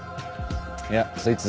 いやそいつ